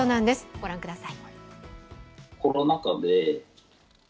ご覧ください。